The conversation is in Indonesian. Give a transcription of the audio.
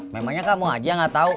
memangnya kamu arcanya gak tau